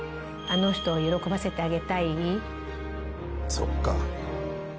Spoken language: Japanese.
そっか。